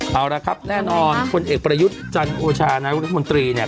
เอาละครับแน่นอนคนเอกประยุทธ์จันทร์โอชานักวิทยาลัยมนตรีเนี่ย